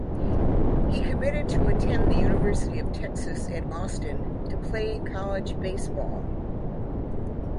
He committed to attend the University of Texas at Austin to play college baseball.